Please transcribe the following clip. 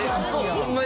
ホンマに？